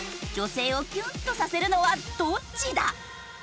女性をキュンとさせるのはどっちだ？